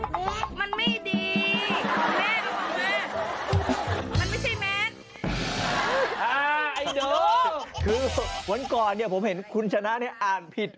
คือวันก่อนเนี่ยผมเห็นคุณชนะเนี่ยอ่านผิด